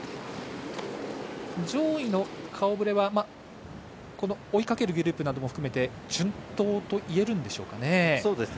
上位の顔ぶれは追いかけるグループなども含めて順当と言えるんでしょうかね。